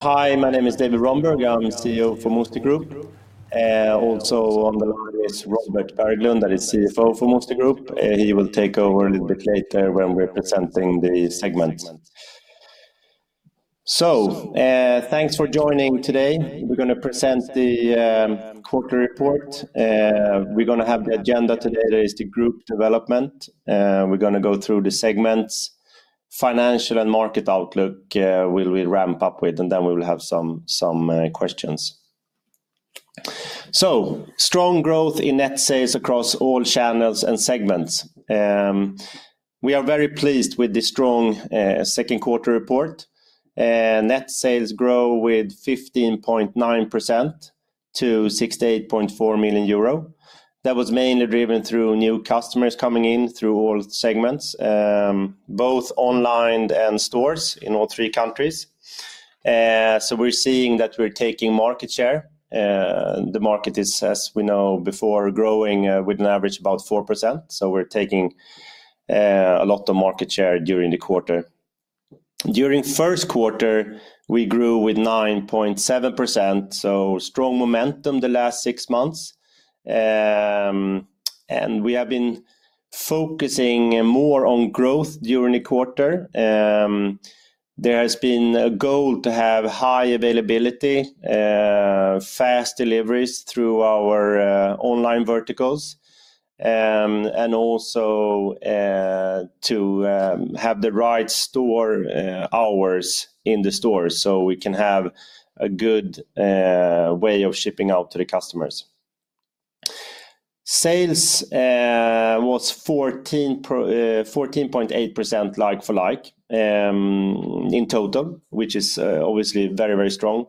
Hi, my name is David Rönnberg. I'm the CEO for Musti Group. Also, on the line is Robert Berglund, that is CFO for Musti Group. He will take over a little bit later when we're presenting the segments. So, thanks for joining today. We're going to present the quarter report. We're going to have the agenda today that is the group development. We're going to go through the segments, financial and market outlook will we ramp up with, and then we will have some questions. So, strong growth in net sales across all channels and segments. We are very pleased with the strong second quarter report. Net sales grew with 15.9% to 68.4 million euro. That was mainly driven through new customers coming in through all segments, both online and stores in all three countries. So, we're seeing that we're taking market share. The market is, as we know before, growing with an average of about 4%. So, we're taking a lot of market share during the quarter. During the first quarter, we grew with 9.7%. So, strong momentum the last six months. And we have been focusing more on growth during the quarter. There has been a goal to have high availability, fast deliveries through our online verticals, and also to have the right store hours in the store so we can have a good way of shipping out to the customers. Sales was 14.8% like-for-like in total, which is obviously very, very strong.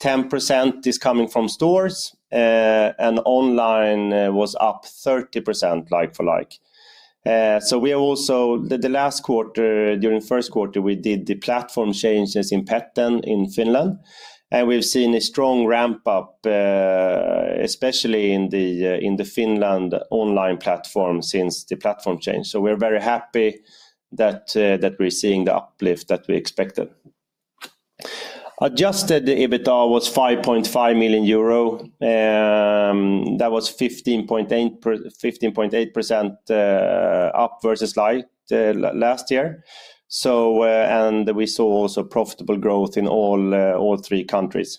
10% is coming from stores, and online was up 30% like-for-like. So, we are also the last quarter, during the first quarter, we did the platform changes in Peten Koiratarvike in Finland, and we've seen a strong ramp up, especially in the Finland online platform since the platform change. So, we're very happy that we're seeing the uplift that we expected. Adjusted EBITDA was 5.5 million euro. That was 15.8% up versus like last year. So, and we saw also profitable growth in all three countries.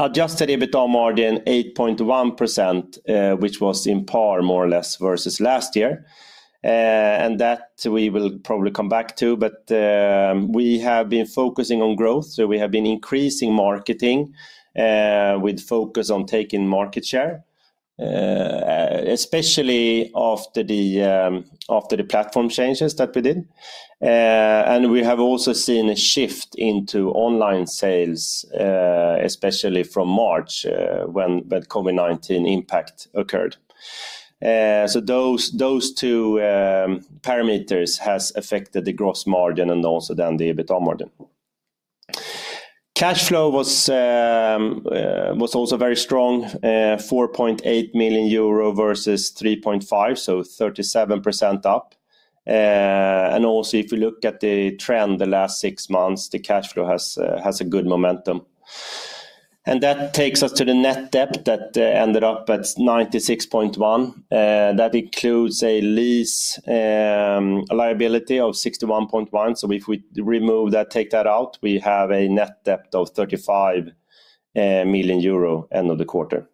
Adjusted EBITDA margin 8.1%, which was on par more or less versus last year. And that we will probably come back to, but we have been focusing on growth. So, we have been increasing marketing with focus on taking market share, especially after the platform changes that we did. And we have also seen a shift into online sales, especially from March when COVID-19 impact occurred. So, those two parameters have affected the gross margin and also then the EBITDA margin. Cash flow was also very strong, 4.8 million euro versus 3.5 million, so 37% up. And also, if we look at the trend the last six months, the cash flow has a good momentum. That takes us to the net debt that ended up at 96.1. That includes a lease liability of 61.1. So, if we remove that, take that out, we have a net debt of 35 million euro end of the quarter.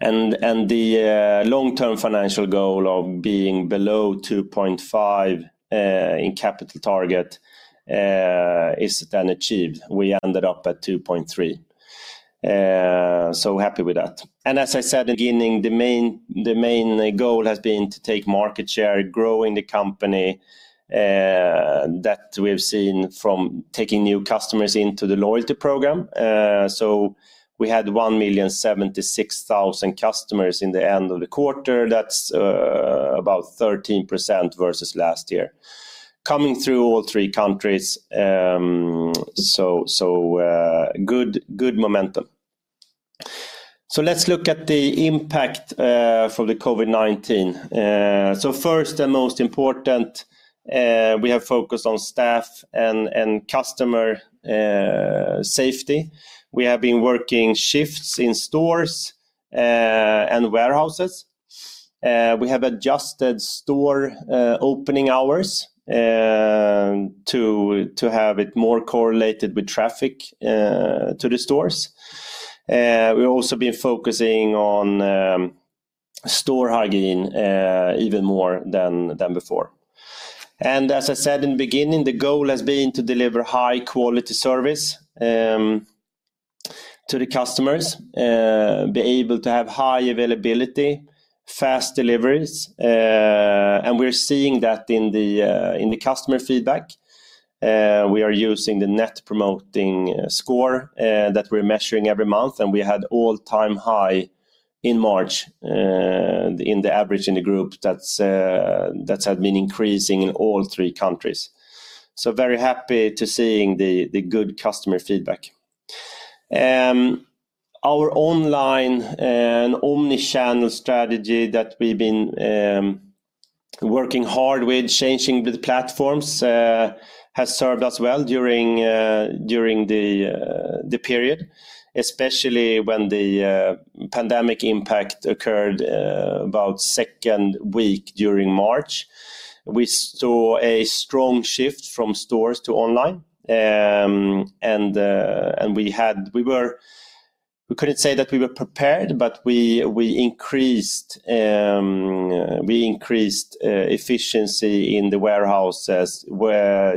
And the long-term financial goal of being below 2.5 in gearing is then achieved. We ended up at 2.3. So, happy with that. And as I said in the beginning, the main goal has been to take market share, growing the company that we've seen from taking new customers into the loyalty program. So, we had 1,076,000 customers in the end of the quarter. That's about 13% versus last year, coming through all three countries. So, good momentum. So, let's look at the impact for the COVID-19. So, first and most important, we have focused on staff and customer safety. We have been working shifts in stores and warehouses. We have adjusted store opening hours to have it more correlated with traffic to the stores. We've also been focusing on store hygiene even more than before. And as I said in the beginning, the goal has been to deliver high-quality service to the customers, be able to have high availability, fast deliveries. And we're seeing that in the customer feedback. We are using the Net Promoter Score that we're measuring every month, and we had all-time high in March in the average in the group that's had been increasing in all three countries. So, very happy to see the good customer feedback. Our online omnichannel strategy that we've been working hard with, changing the platforms, has served us well during the period, especially when the pandemic impact occurred about the second week during March. We saw a strong shift from stores to online. And we couldn't say that we were prepared, but we increased efficiency in the warehouses,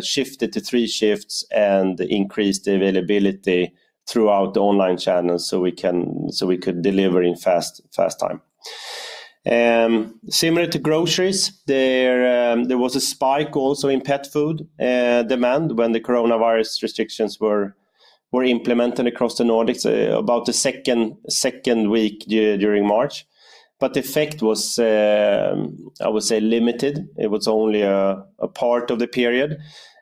shifted to three shifts, and increased the availability throughout the online channels so we could deliver in fast time. Similar to groceries, there was a spike also in pet food demand when the coronavirus restrictions were implemented across the Nordics about the second week during March. But the effect was, I would say, limited. It was only a part of the period.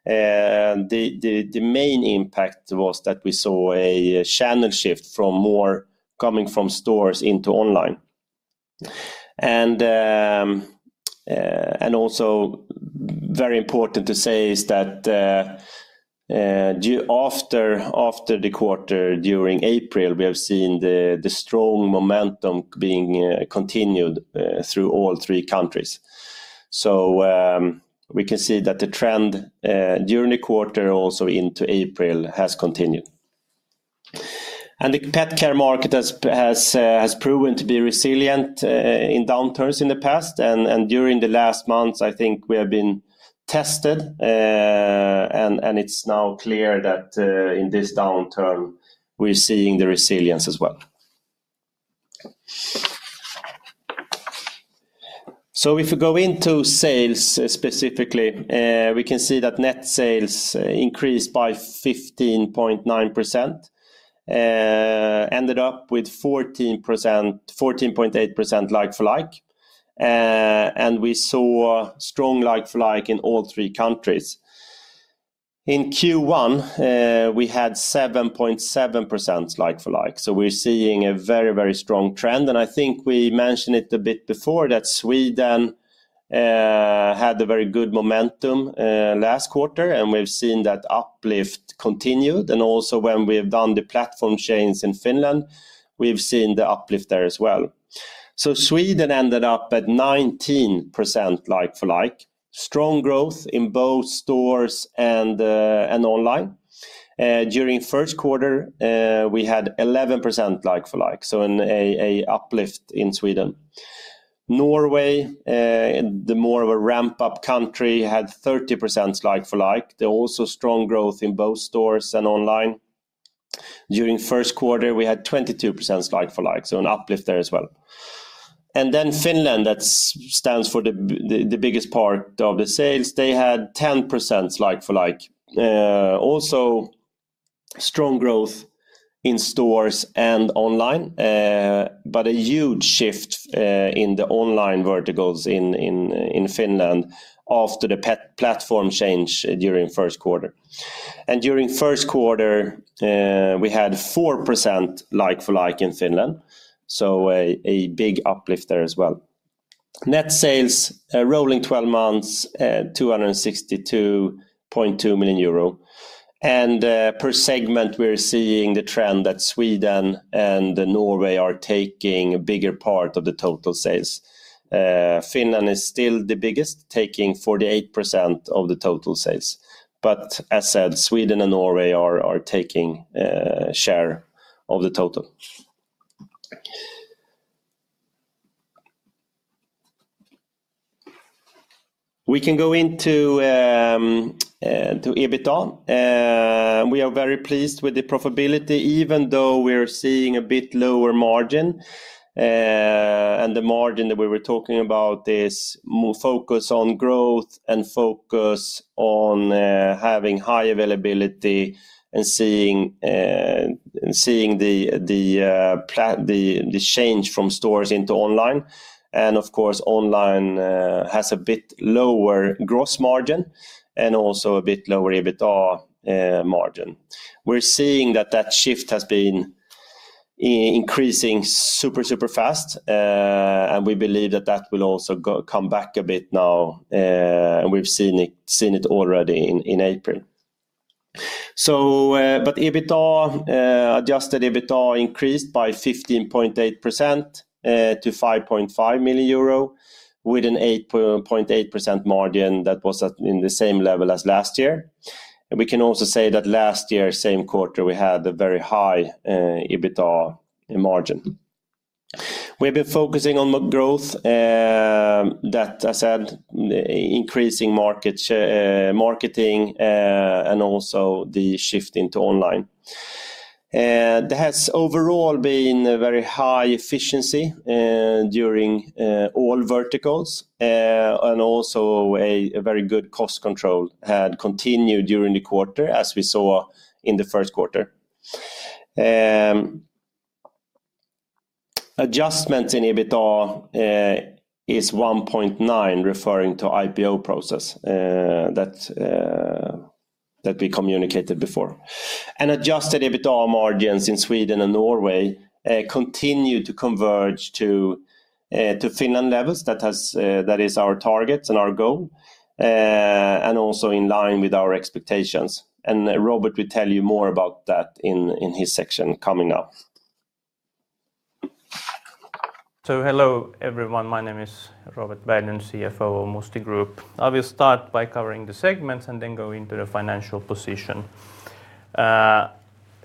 The main impact was that we saw a channel shift from more coming from stores into online. And also, very important to say is that after the quarter during April, we have seen the strong momentum being continued through all three countries. So, we can see that the trend during the quarter also into April has continued. And the pet care market has proven to be resilient in downturns in the past. During the last months, I think we have been tested, and it's now clear that in this downturn, we're seeing the resilience as well. If we go into sales specifically, we can see that net sales increased by 15.9%, ended up with 14.8% like-for-like. We saw strong like-for-like in all three countries. In Q1, we had 7.7% like-for-like. We're seeing a very, very strong trend. I think we mentioned it a bit before that Sweden had a very good momentum last quarter, and we've seen that uplift continued. Also, when we have done the platform chains in Finland, we've seen the uplift there as well. Sweden ended up at 19% like-for-like, strong growth in both stores and online. During the first quarter, we had 11% like-for-like, so an uplift in Sweden. Norway, the more of a ramp-up country, had 30% like-for-like. There was also strong growth in both stores and online. During the first quarter, we had 22% like-for-like, so an uplift there as well. And then Finland, that stands for the biggest part of the sales, they had 10% like-for-like. Also, strong growth in stores and online, but a huge shift in the online verticals in Finland after the platform change during the first quarter. And during the first quarter, we had 4% like-for-like in Finland, so a big uplift there as well. Net sales rolling 12 months, 262.2 million euro. And per segment, we're seeing the trend that Sweden and Norway are taking a bigger part of the total sales. Finland is still the biggest, taking 48% of the total sales. But as said, Sweden and Norway are taking share of the total. We can go into EBITDA. We are very pleased with the profitability, even though we're seeing a bit lower margin. And the margin that we were talking about is more focused on growth and focused on having high availability and seeing the change from stores into online. And of course, online has a bit lower gross margin and also a bit lower EBITDA margin. We're seeing that that shift has been increasing super, super fast. And we believe that that will also come back a bit now. And we've seen it already in April. So, but EBITDA, adjusted EBITDA increased by 15.8% to 5.5 million euro with an 8.8% margin that was in the same level as last year. And we can also say that last year, same quarter, we had a very high EBITDA margin. We've been focusing on growth, that I said, increasing marketing and also the shift into online. There has overall been a very high efficiency during all verticals, and also a very good cost control had continued during the quarter, as we saw in the first quarter. Adjustment in EBITDA is 1.9, referring to IPO process that we communicated before, and adjusted EBITDA margins in Sweden and Norway continue to converge to Finland levels. That is our target and our goal, and also in line with our expectations, and Robert will tell you more about that in his section coming up. Hello everyone. My name is Robert Berglund, CFO of Musti Group. I will start by covering the segments and then go into the financial position.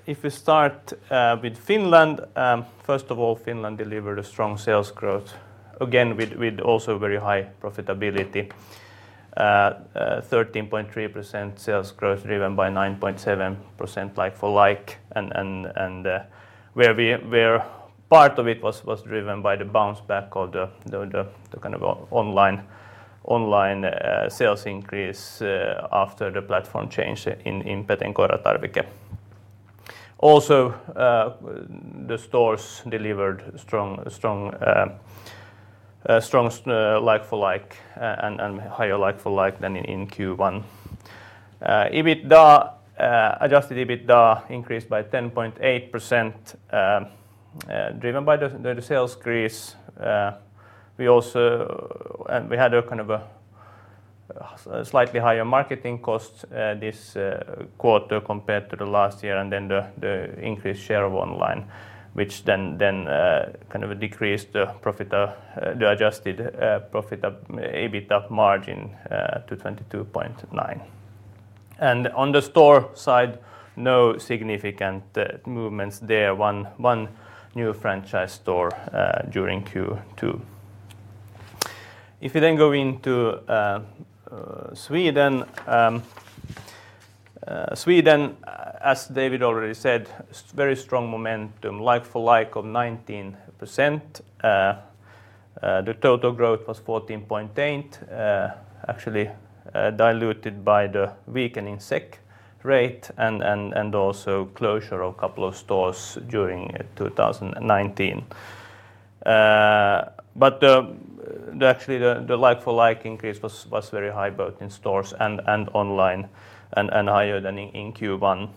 If we start with Finland, first of all, Finland delivered a strong sales growth, again with also very high profitability, 13.3% sales growth driven by 9.7% like-for-like. Where part of it was driven by the bounce back of the kind of online sales increase after the platform change in Peten Koiratarvike. Also, the stores delivered strong like-for-like and higher like-for-like than in Q1. Adjusted EBITDA increased by 10.8% driven by the sales increase. We also had a kind of slightly higher marketing cost this quarter compared to the last year, and then the increased share of online, which then kind of decreased the adjusted EBITDA margin to 22.9%. And on the store side, no significant movements there, one new franchise store during Q2. If we then go into Sweden, as David already said, very strong momentum, like-for-like of 19%. The total growth was 14.8%, actually diluted by the weakening SEK rate and also closure of a couple of stores during 2019. But actually, the like-for-like increase was very high both in stores and online and higher than in Q1.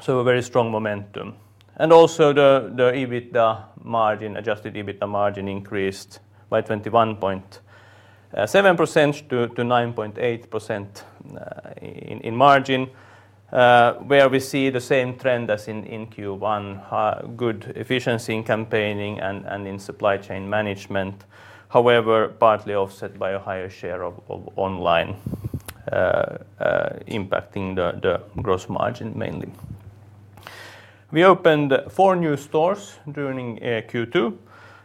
So, a very strong momentum. And also the adjusted EBITDA margin increased by 21.7% to 9.8% in margin, where we see the same trend as in Q1, good efficiency in campaigning and in supply chain management. However, partly offset by a higher share of online impacting the gross margin mainly. We opened four new stores during Q2,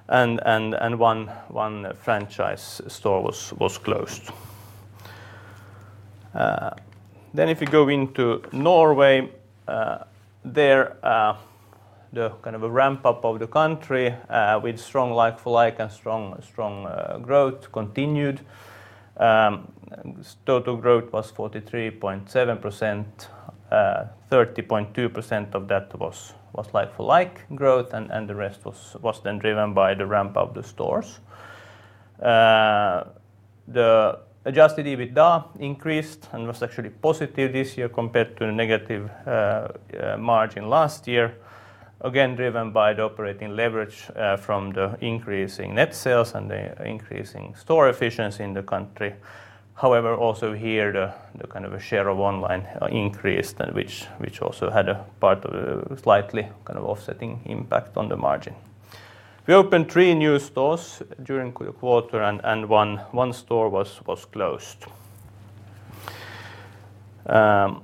and one franchise store was closed. Then if we go into Norway, there the kind of a ramp-up of the country with strong like-for-like and strong growth continued. Total growth was 43.7%, 30.2% of that was like-for-like growth, and the rest was then driven by the ramp-up of the stores. The adjusted EBITDA increased and was actually positive this year compared to a negative margin last year, again driven by the operating leverage from the increasing net sales and the increasing store efficiency in the country. However, also here, the kind of share of online increased, which also had a part of a slightly kind of offsetting impact on the margin. We opened three new stores during the quarter, and one store was closed. That's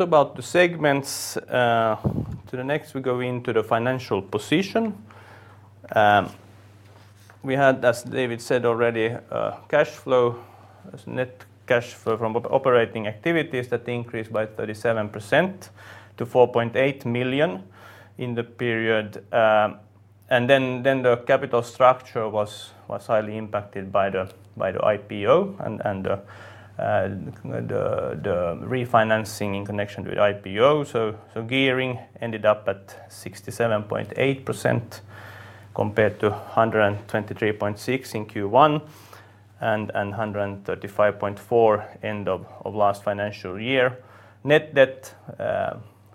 about the segments. To the next, we go into the financial position. We had, as David said already, net cash from operating activities that increased by 37% to 4.8 million in the period. And then the capital structure was highly impacted by the IPO and the refinancing in connection with IPO. So, gearing ended up at 67.8% compared to 123.6% in Q1 and 135.4% end of last financial year. Net debt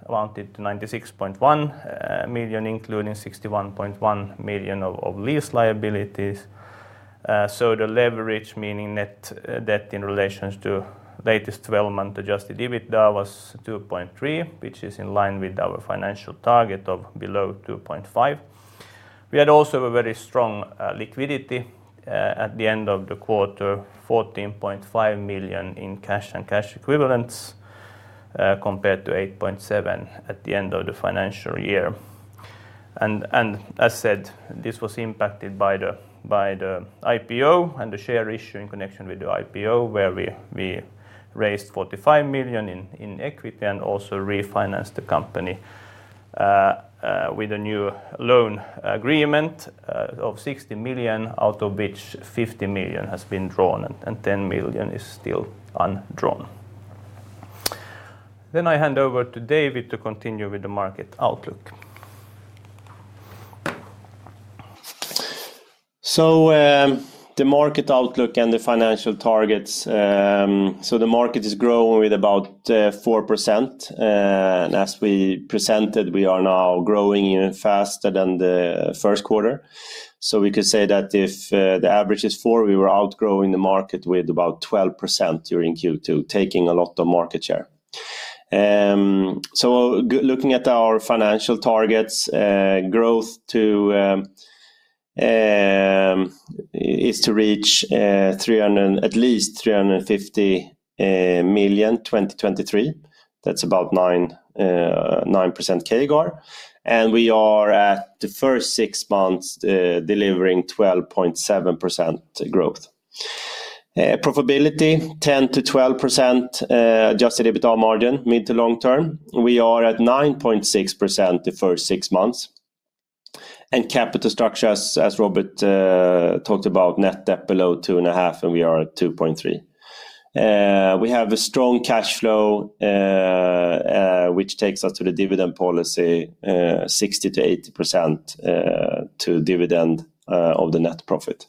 amounted to 96.1 million, including 61.1 million of lease liabilities. So, the leverage, meaning net debt in relation to latest 12-month Adjusted EBITDA, was 2.3, which is in line with our financial target of below 2.5. We had also a very strong liquidity at the end of the quarter, 14.5 million in cash and cash equivalents compared to 8.7 million at the end of the financial year. As said, this was impacted by the IPO and the share issue in connection with the IPO, where we raised 45 million in equity and also refinanced the company with a new loan agreement of 60 million, out of which 50 million has been drawn and 10 million is still undrawn. I hand over to David to continue with the market outlook. The market outlook and the financial targets. The market is growing with about 4%. As we presented, we are now growing even faster than the first quarter. We could say that if the average is 4, we were outgrowing the market with about 12% during Q2, taking a lot of market share. Looking at our financial targets, growth is to reach at least 350 million 2023. That's about 9% CAGR. We are at the first six months delivering 12.7% growth. Profitability, 10%-12% Adjusted EBITDA margin, mid- to long-term. We are at 9.6% the first six months. And capital structure, as Robert talked about, net debt below 2.5 and we are at 2.3. We have a strong cash flow, which takes us to the dividend policy, 60%-80% to dividend of the net profit.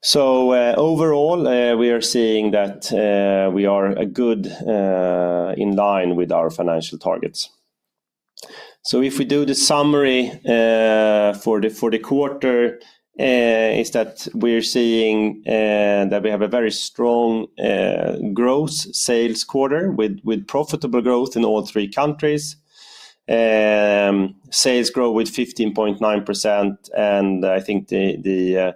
So, overall, we are seeing that we are good in line with our financial targets. So, if we do the summary for the quarter, it's that we're seeing that we have a very strong growth sales quarter with profitable growth in all three countries. Sales grew with 15.9%, and I think the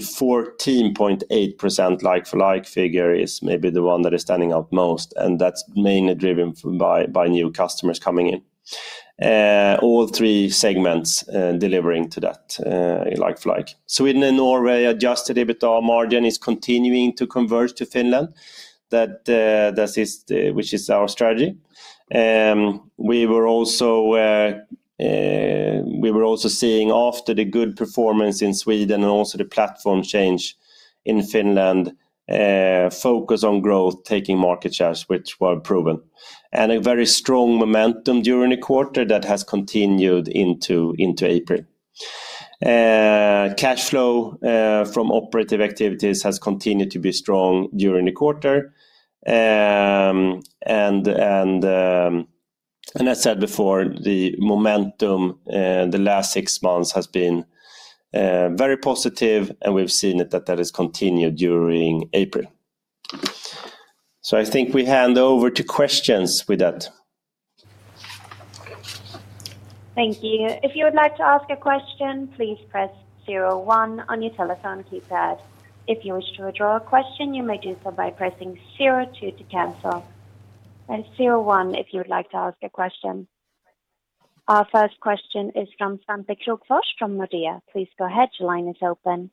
14.8% like-for-like figure is maybe the one that is standing out most, and that's mainly driven by new customers coming in. All three segments delivering to that like-for-like. Sweden and Norway Adjusted EBITDA margin is continuing to converge to Finland, which is our strategy. We were also seeing after the good performance in Sweden and also the platform change in Finland, focus on growth, taking market shares, which were proven, and a very strong momentum during the quarter that has continued into April. Cash flow from operative activities has continued to be strong during the quarter, and as said before, the momentum the last six months has been very positive, and we've seen that that has continued during April. So, I think we hand over to questions with that. Thank you. If you would like to ask a question, please press zero one on your telephone keypad. If you wish to withdraw a question, you may do so by pressing zero one to cancel. Press zero one if you would like to ask a question. Our first question is from Svante Krokfors from Nordea. Please go ahead. Your line is open.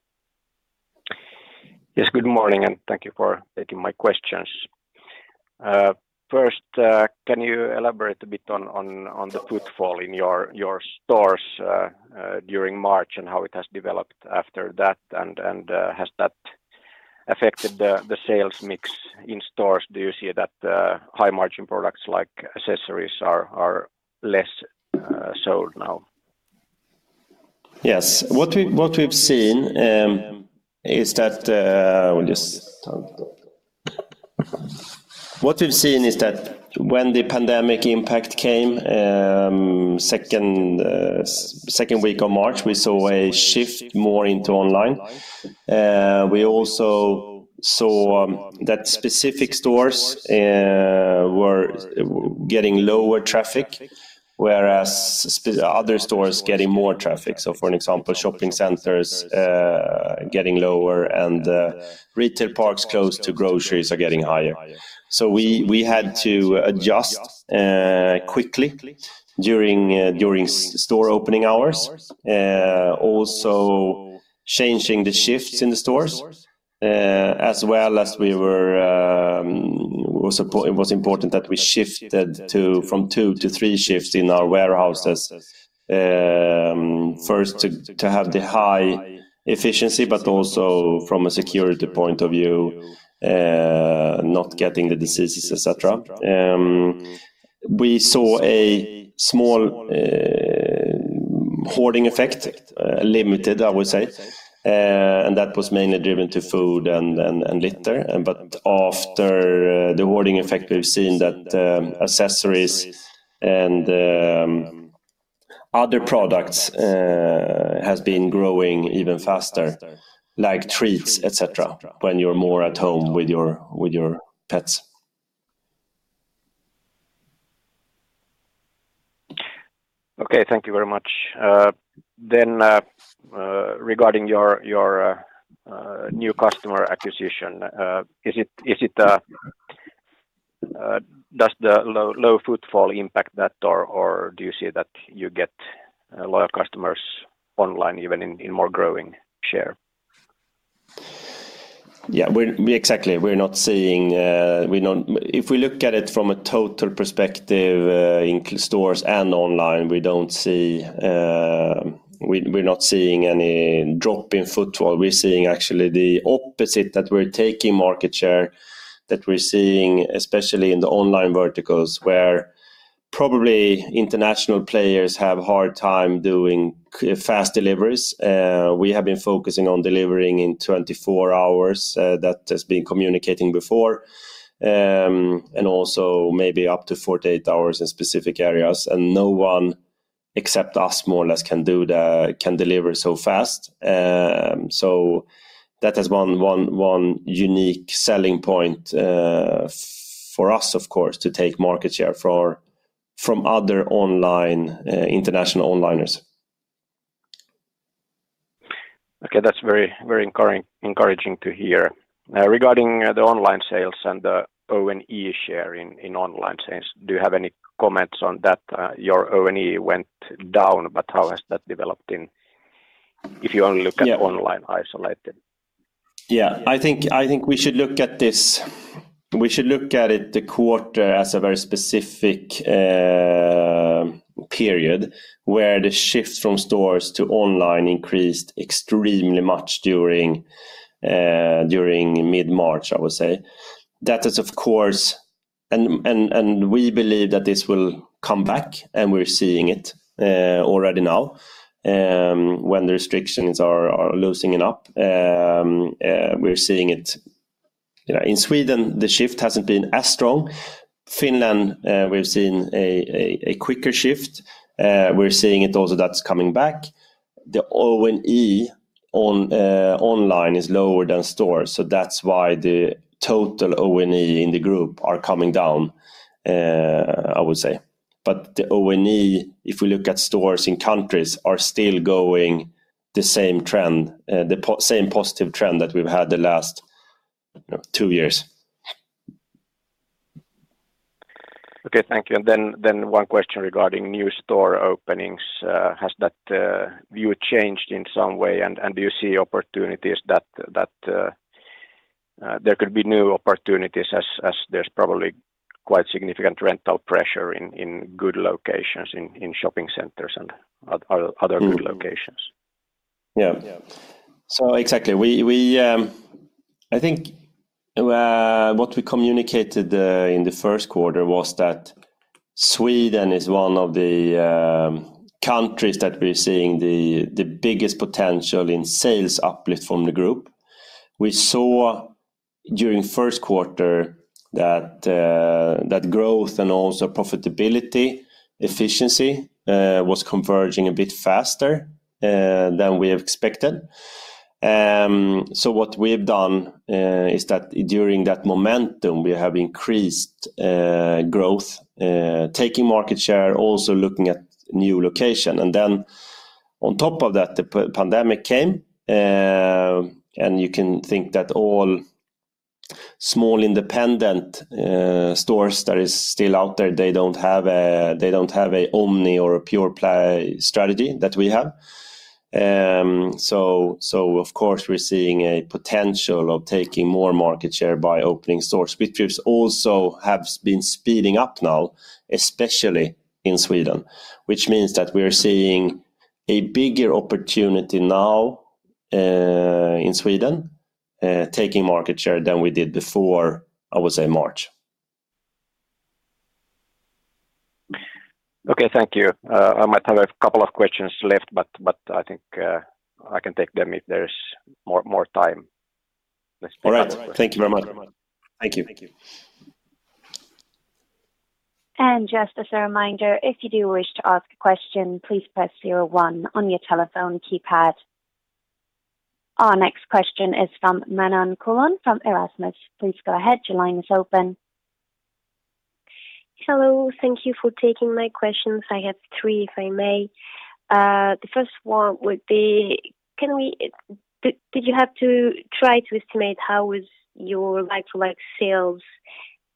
Yes, good morning, and thank you for taking my questions. First, can you elaborate a bit on the footfall in your stores during March and how it has developed after that? And has that affected the sales mix in stores? Do you see that high-margin products like accessories are less sold now? Yes. What we've seen is that when the pandemic impact came, second week of March, we saw a shift more into online. We also saw that specific stores were getting lower traffic, whereas other stores getting more traffic. So, for example, shopping centers getting lower, and retail parks close to groceries are getting higher. So, we had to adjust quickly during store opening hours, also changing the shifts in the stores, as well as it was important that we shifted from two to three shifts in our warehouses, first to have the high efficiency, but also from a security point of view, not getting the diseases, etc. We saw a small hoarding effect, limited, I would say, and that was mainly driven to food and litter, but after the hoarding effect, we've seen that accessories and other products have been growing even faster, like treats, etc., when you're more at home with your pets. Okay, thank you very much. Then, regarding your new customer acquisition, does the low footfall impact that, or do you see that you get loyal customers online even in more growing share? Yeah, exactly. We're not seeing, if we look at it from a total perspective in stores and online, we don't see any drop in footfall. We're seeing actually the opposite, that we're taking market share, especially in the online verticals, where probably international players have a hard time doing fast deliveries. We have been focusing on delivering in 24 hours. That has been communicated before, and also maybe up to 48 hours in specific areas, and no one except us, more or less, can deliver so fast, so that has one unique selling point for us, of course, to take market share from other international onliners. Okay, that's very encouraging to hear. Regarding the online sales and the O&E share in online sales, do you have any comments on that? Your O&E went down, but how has that developed if you only look at online isolated? Yeah, I think we should look at this. We should look at the quarter as a very specific period where the shift from stores to online increased extremely much during mid-March, I would say. That is, of course, and we believe that this will come back, and we're seeing it already now when the restrictions are loosening up. We're seeing it in Sweden. The shift hasn't been as strong. Finland, we've seen a quicker shift. We're seeing it also that's coming back. The O&E online is lower than stores, so that's why the total O&E in the group are coming down, I would say. But the O&E, if we look at stores in countries, are still going the same trend, the same positive trend that we've had the last two years. Okay, thank you. And then one question regarding new store openings. Has that view changed in some way, and do you see opportunities that there could be new opportunities as there's probably quite significant rental pressure in good locations in shopping centers and other good locations? Yeah, yeah. So, exactly. I think what we communicated in the first quarter was that Sweden is one of the countries that we're seeing the biggest potential in sales uplift from the group. We saw during the first quarter that growth and also profitability, efficiency was converging a bit faster than we expected. So, what we've done is that during that momentum, we have increased growth, taking market share, also looking at new location. And then on top of that, the pandemic came, and you can think that all small independent stores that are still out there, they don't have an omni or a pure play strategy that we have. So, of course, we're seeing a potential of taking more market share by opening stores, which also have been speeding up now, especially in Sweden, which means that we're seeing a bigger opportunity now in Sweden, taking market share than we did before, I would say, March. Okay, thank you. I might have a couple of questions left, but I think I can take them if there's more time. All right, thank you very much. Thank you. And just as a reminder, if you do wish to ask a question, please press zero one on your telephone keypad. Our next question is from Manon Coulon from Bryan, Garnier & Co. Please go ahead. Your line is open. Hello. Thank you for taking my questions. I have three, if I may. The first one would be, did you have to try to estimate how was your like-for-like sales,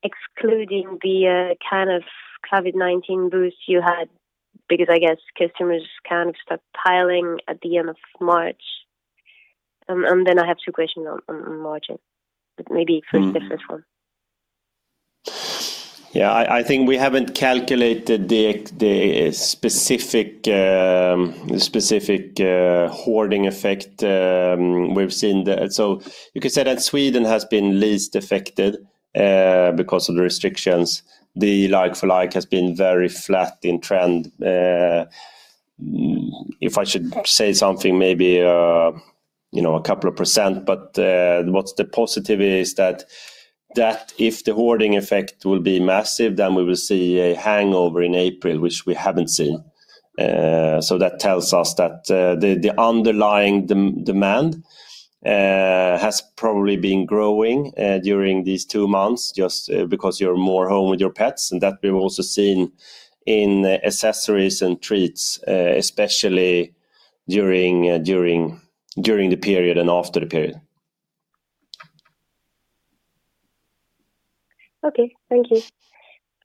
excluding the kind of COVID-19 boost you had, because I guess customers kind of stopped stockpiling at the end of March? And then I have two questions on margin. Maybe first, the first one. Yeah, I think we haven't calculated the specific hoarding effect we've seen. So, you could say that Sweden has been least affected because of the restrictions. The like-for-like has been very flat in trend. If I should say something, maybe a couple of percent, but what's the positivity is that if the hoarding effect will be massive, then we will see a hangover in April, which we haven't seen. So, that tells us that the underlying demand has probably been growing during these two months just because you're more home with your pets, and that we've also seen in accessories and treats, especially during the period and after the period. Okay, thank you.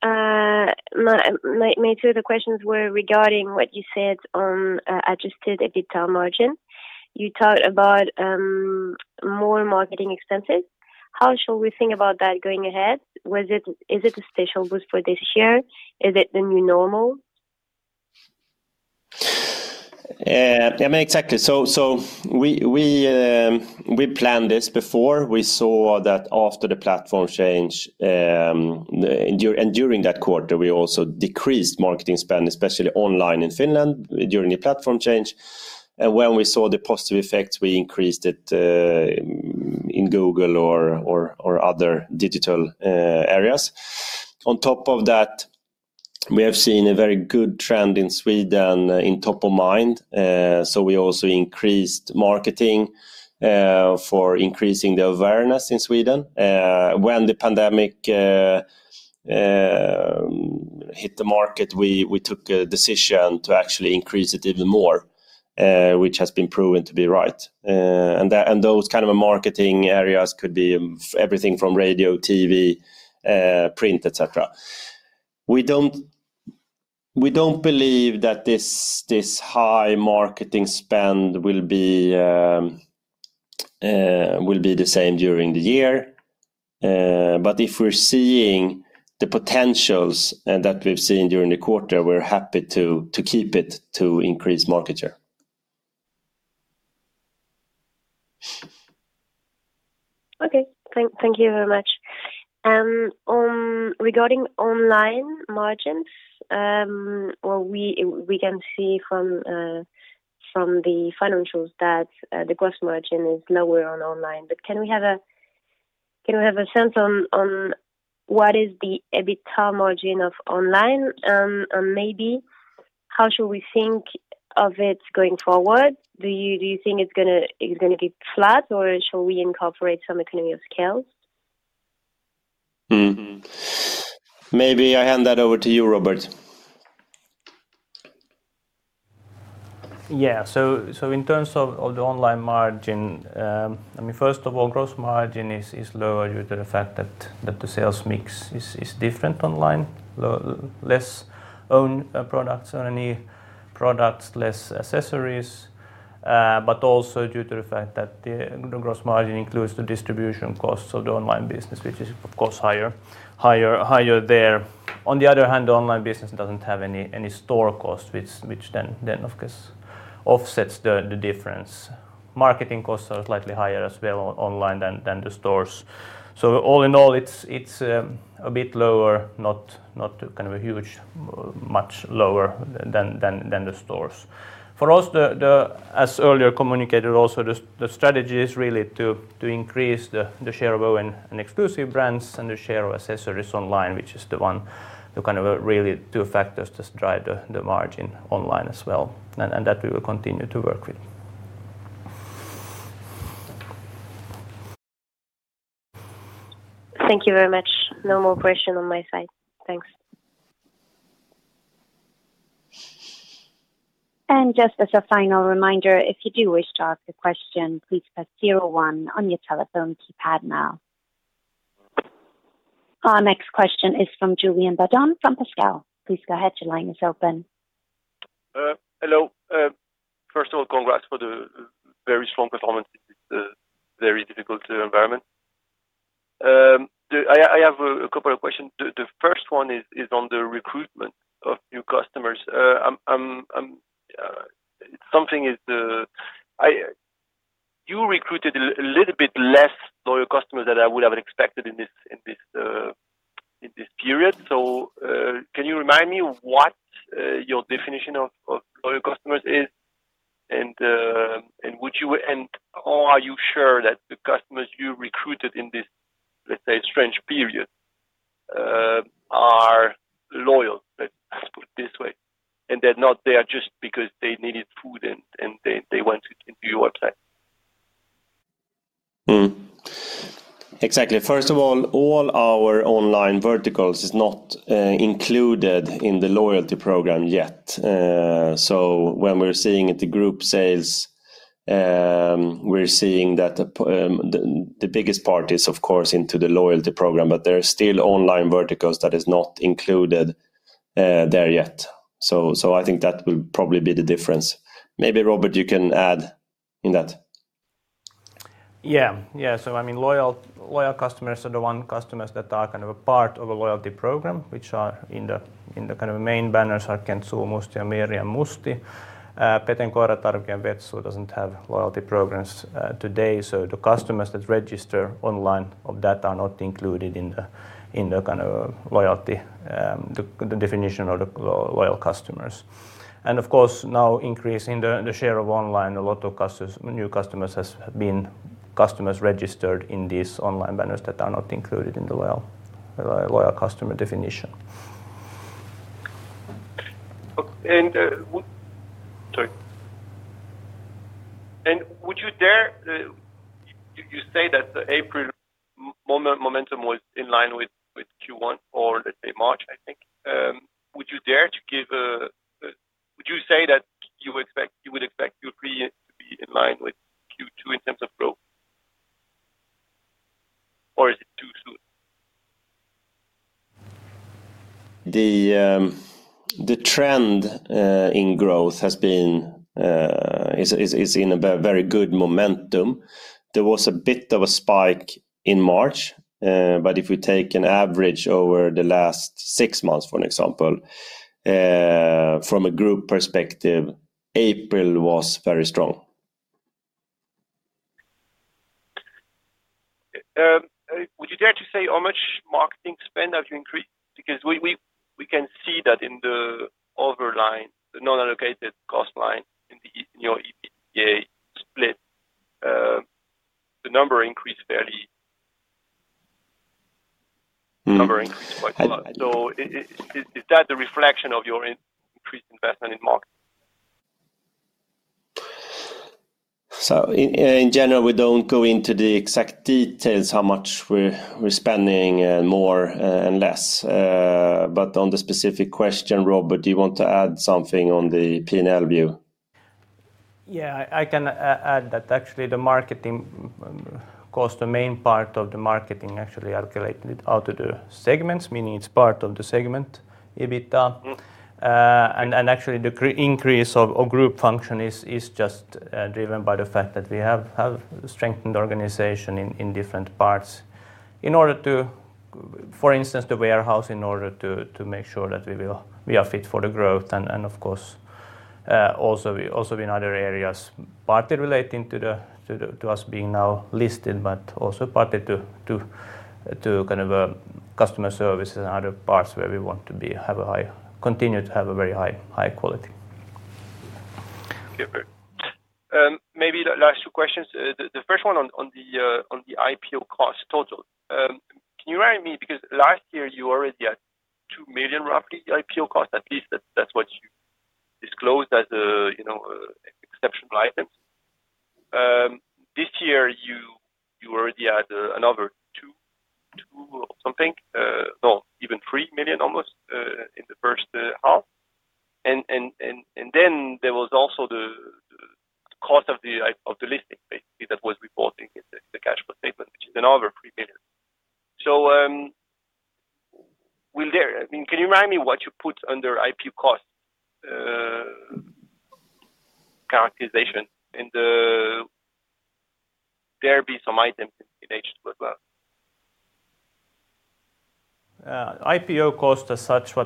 My two other questions were regarding what you said on Adjusted EBITDA margin. You talked about more marketing expenses. How should we think about that going ahead? Is it a special boost for this year? Is it the new normal? Yeah, exactly. So, we planned this before. We saw that after the platform change, and during that quarter, we also decreased marketing spend, especially online in Finland during the platform change. And when we saw the positive effects, we increased it in Google or other digital areas. On top of that, we have seen a very good trend in Sweden in top of mind, so we also increased marketing for increasing the awareness in Sweden. When the pandemic hit the market, we took a decision to actually increase it even more, which has been proven to be right. And those kind of marketing areas could be everything from radio, TV, print, etc. We don't believe that this high marketing spend will be the same during the year, but if we're seeing the potentials that we've seen during the quarter, we're happy to keep it to increase market share. Okay, thank you very much. Regarding online margins, we can see from the financials that the gross margin is lower on online, but can we have a sense on what is the EBITDA margin of online? And maybe how should we think of it going forward? Do you think it's going to be flat, or should we incorporate some economies of scale? Maybe I hand that over to you, Robert. Yeah, so in terms of the online margin, I mean, first of all, gross margin is lower due to the fact that the sales mix is different online, less O&E products, less accessories, but also due to the fact that the gross margin includes the distribution costs of the online business, which is, of course, higher there. On the other hand, the online business doesn't have any store costs, which then, of course, offsets the difference. Marketing costs are slightly higher as well online than the stores. So, all in all, it's a bit lower, not kind of a huge much lower than the stores. For us, as earlier communicated also, the strategy is really to increase the share of O&E exclusive brands and the share of accessories online, which is the one kind of really two factors that drive the margin online as well, and that we will continue to work with. Thank you very much. No more question on my side. Thanks. And just as a final reminder, if you do wish to ask a question, please press zero one on your telephone keypad now. Our next question is from Juliane Badon from Oddo BHF. Please go ahead. Your line is open. Hello. First of all, congrats for the very strong performance in this very difficult environment. I have a couple of questions. The first one is on the recruitment of new customers. Something is you recruited a little bit less loyal customers than I would have expected in this period. So, can you remind me what your definition of loyal customers is, and would you and are you sure that the customers you recruited in this, let's say, strange period are loyal, let's put it this way, and they're not there just because they needed food and they went to your website? Exactly. First of all, all our online verticals are not included in the loyalty program yet. So, when we're seeing it, the group sales, we're seeing that the biggest part is, of course, into the loyalty program, but there are still online verticals that are not included there yet. So, I think that will probably be the difference. Maybe Robert, you can add in that. Yeah, yeah. So, I mean, loyal customers are the one customers that are kind of a part of a loyalty program, which are in the kind of main banners are Arken Zoo, Musti ja Mirri. Peten Koiratarvike and VetZoo doesn't have loyalty programs today, so the customers that register online of that are not included in the kind of loyalty, the definition of loyal customers. And of course, now increasing the share of online, a lot of new customers have been customers registered in these online banners that are not included in the loyal customer definition. Would you dare to say that the April momentum was in line with Q1 or, let's say, March, I think? Would you say that you would expect your period to be in line with Q2 in terms of growth, or is it too soon? The trend in growth has been in a very good momentum. There was a bit of a spike in March, but if we take an average over the last six months, for example, from a group perspective, April was very strong. Would you dare to say how much marketing spend have you increased? Because we can see that in the overline, the non-allocated cost line in your EBITDA split, the number increased fairly. The number increased quite a lot. So, is that the reflection of your increased investment in marketing? So, in general, we don't go into the exact details how much we're spending more and less, but on the specific question, Robert, do you want to add something on the P&L view? Yeah, I can add that actually the marketing cost, the main part of the marketing, actually calculated out of the segments, meaning it's part of the segment EBITDA. And actually, the increase of group function is just driven by the fact that we have strengthened the organization in different parts in order to, for instance, the warehouse, in order to make sure that we are fit for the growth. And of course, also in other areas, partly relating to us being now listed, but also partly to kind of customer services and other parts where we want to continue to have a very high quality. Okay, great. Maybe the last two questions. The first one on the IPO cost total. Can you remind me, because last year you already had 2 million roughly IPO cost, at least that's what you disclosed as an exceptional item. This year you already had another 2 or something, well, even 3 million almost in the first half. And then there was also the cost of the listing that was reported in the cash flow statement, which is another 3 million. So, will there, I mean, can you remind me what you put under IPO cost categorization? And will there be some items in H2 as well? IPO cost as such, I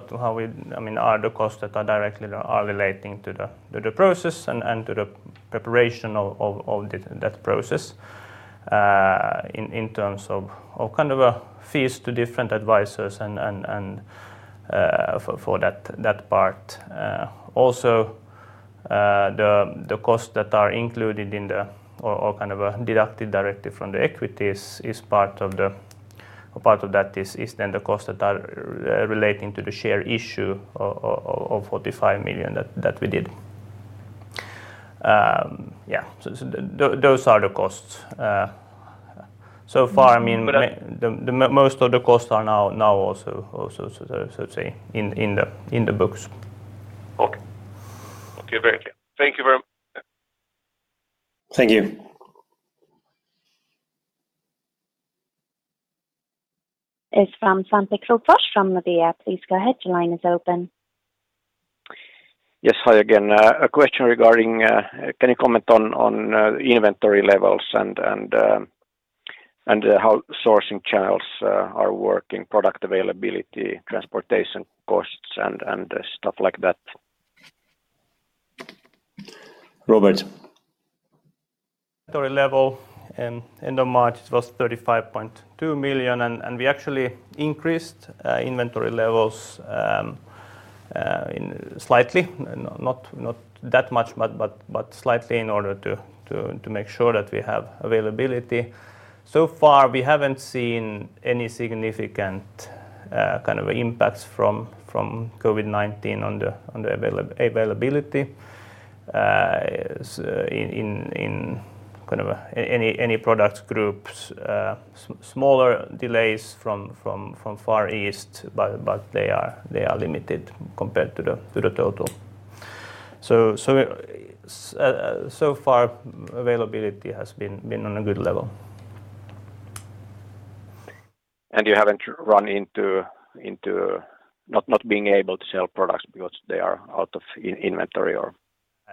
mean, are the costs that are directly relating to the process and to the preparation of that process in terms of kind of fees to different advisors for that part. Also, the costs that are included in the, or kind of deducted directly from the equities is part of that is then the costs that are relating to the share issue of 45 million that we did. Yeah, so those are the costs. So far, I mean, most of the costs are now also, so to say, in the books. Okay. Okay, great. Thank you very much. Thank you. It's from Svante Krokfors from Nordea. Please go ahead. Your line is open. Yes, hi again. A question regarding: can you comment on inventory levels and how sourcing channels are working, product availability, transportation costs, and stuff like that? Robert. Inventory level end of March, it was 35.2 million, and we actually increased inventory levels slightly, not that much, but slightly in order to make sure that we have availability. So far, we haven't seen any significant kind of impacts from COVID-19 on the availability in kind of any product groups. Smaller delays from Far East, but they are limited compared to the total. So, so far, availability has been on a good level. And you haven't run into not being able to sell products because they are out of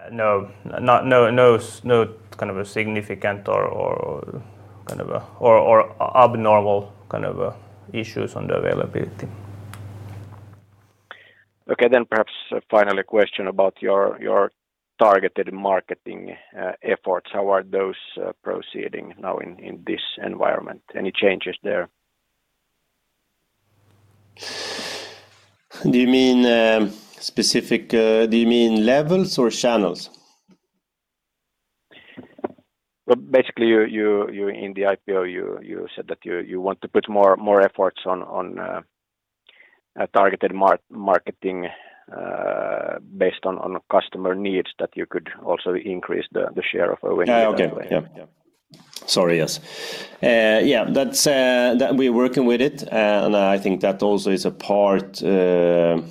inventory or? No, no kind of a significant or kind of abnormal kind of issues on the availability. Okay, then perhaps a final question about your targeted marketing efforts. How are those proceeding now in this environment? Any changes there? Do you mean specific levels or channels? Basically, in the IPO, you said that you want to put more efforts on targeted marketing based on customer needs that you could also increase the share of O&E. Yeah, okay. Yeah, yeah. Sorry, yes. Yeah, we're working with it, and I think that also is a part of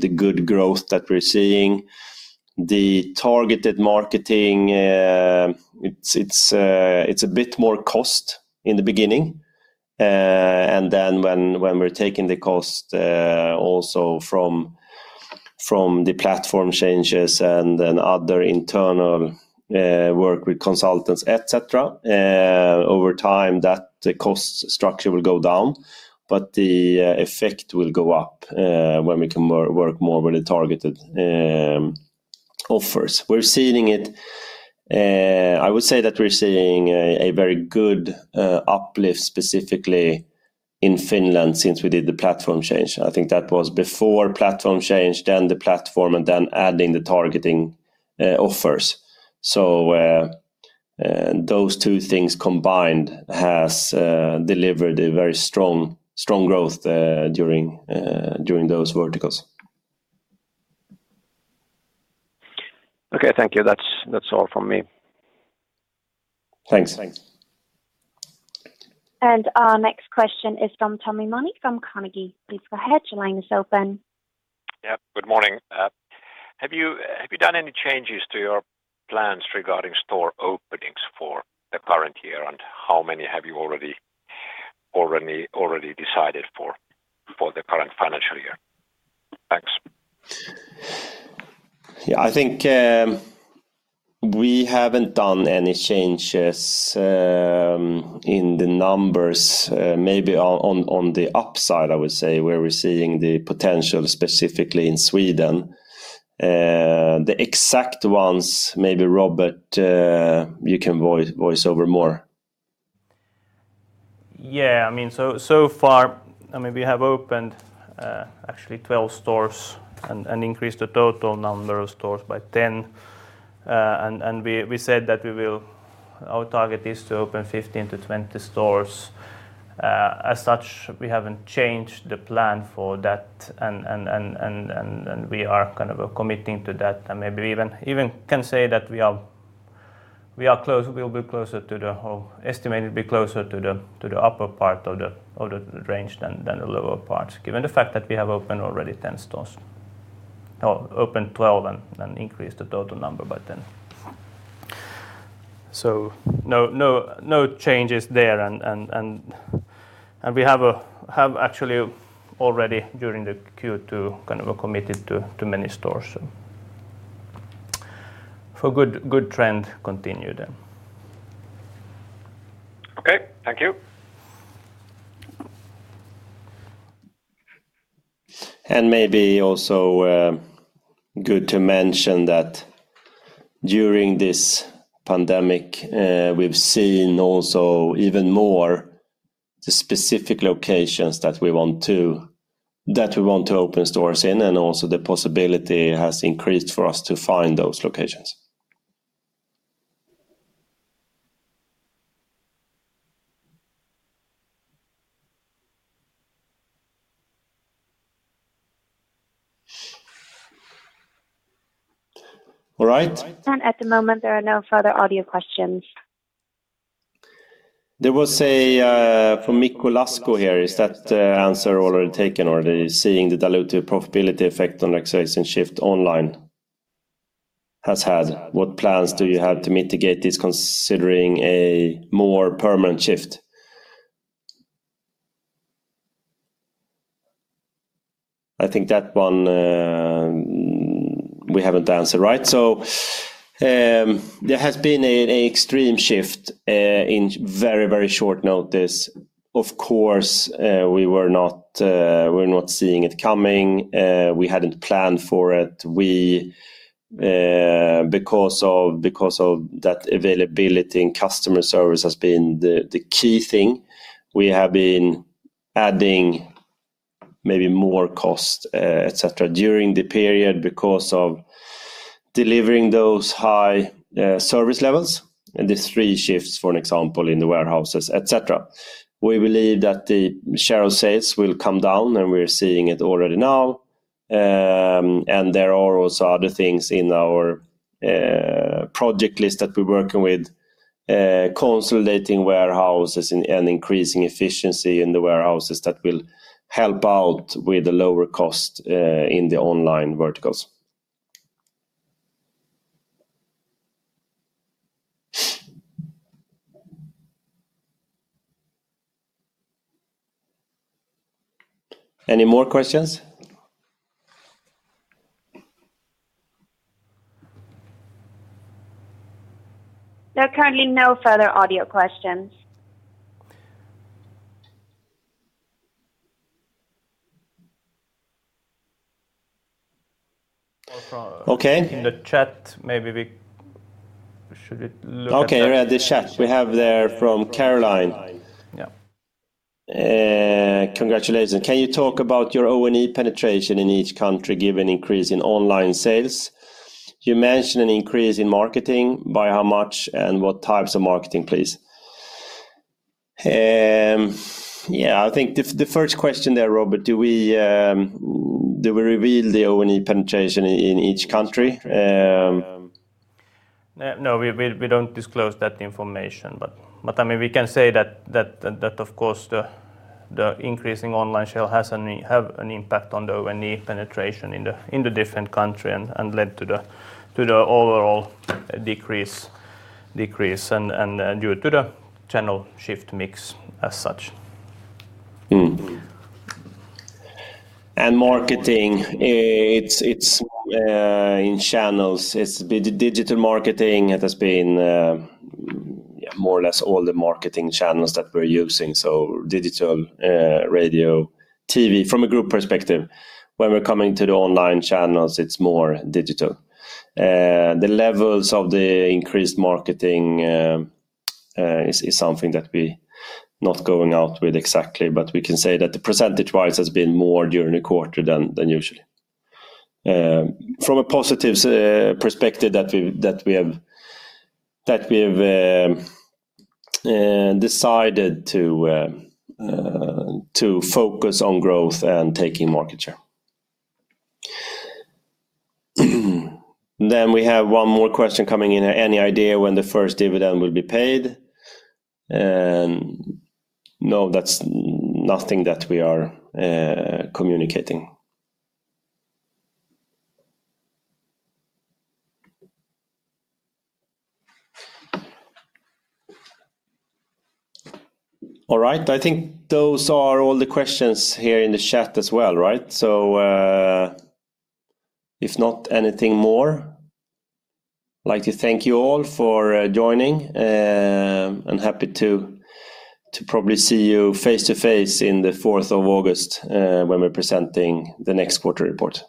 the good growth that we're seeing. The targeted marketing, it's a bit more cost in the beginning, and then when we're taking the cost also from the platform changes and other internal work with consultants, etc., over time, that cost structure will go down, but the effect will go up when we can work more with the targeted offers. We're seeing it. I would say that we're seeing a very good uplift specifically in Finland since we did the platform change. I think that was before platform change, then the platform, and then adding the targeting offers. So, those two things combined have delivered a very strong growth during those verticals. Okay, thank you. That's all from me. Thanks. Thanks. Our next question is from Tommy Ilmoni from Carnegie. Please go ahead. Your line is open. Yeah, good morning. Have you done any changes to your plans regarding store openings for the current year, and how many have you already decided for the current financial year? Thanks. Yeah, I think we haven't done any changes in the numbers. Maybe on the upside, I would say, we're receiving the potential specifically in Sweden. The exact ones, maybe Robert, you can voice over more. Yeah, I mean, so far, I mean, we have opened actually 12 stores and increased the total number of stores by 10. And we said that our target is to open 15-20 stores. As such, we haven't changed the plan for that, and we are kind of committing to that. And maybe we even can say that we are close, we'll be closer to the estimated, be closer to the upper part of the range than the lower parts, given the fact that we have opened already 10 stores or opened 12 and increased the total number by 10. So, no changes there, and we have actually already during the Q2 kind of committed to many stores. So, for good trend continued then. Okay, thank you. And maybe also good to mention that during this pandemic, we've seen also even more the specific locations that we want to open stores in, and also the possibility has increased for us to find those locations. All right. At the moment, there are no further audio questions. There was a question from Mikko Lasko here. Is that answer already taken, or are you seeing the diluted profitability effect on the acceleration shift online has had? What plans do you have to mitigate this considering a more permanent shift? I think that one we haven't answered right. So, there has been an extreme shift in very, very short notice. Of course, we were not seeing it coming. We hadn't planned for it. Because of that availability and customer service has been the key thing, we have been adding maybe more cost, etc., during the period because of delivering those high service levels and the three shifts, for example, in the warehouses, etc. We believe that the share of sales will come down, and we're seeing it already now. There are also other things in our project list that we're working with, consolidating warehouses and increasing efficiency in the warehouses that will help out with the lower cost in the online verticals. Any more questions? There are currently no further audio questions. Okay. In the chat, maybe we should look. Okay, we're at the chat. We have there from Caroline. Yeah. Congratulations. Can you talk about your O&E penetration in each country given increase in online sales? You mentioned an increase in marketing. By how much and what types of marketing, please? Yeah, I think the first question there, Robert, do we reveal the O&E penetration in each country? No, we don't disclose that information, but I mean, we can say that, of course, the increasing online share has an impact on the O&E penetration in the different countries and led to the overall decrease and due to the channel shift mix as such. And marketing, it's in channels. It's digital marketing. It has been more or less all the marketing channels that we're using. So, digital, radio, TV. From a group perspective, when we're coming to the online channels, it's more digital. The levels of the increased marketing is something that we are not going out with exactly, but we can say that the percentage-wise has been more during the quarter than usually. From a positive perspective that we have decided to focus on growth and taking market share. Then we have one more question coming in here. Any idea when the first dividend will be paid? No, that's nothing that we are communicating. All right. I think those are all the questions here in the chat as well, right? So, if not anything more, I'd like to thank you all for joining and happy to probably see you face-to-face in the 4th of August when we're presenting the next quarter report.